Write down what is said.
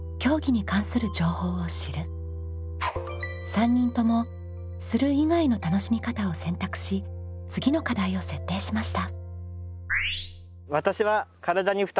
３人とも「する」以外の楽しみ方を選択し次の課題を設定しました。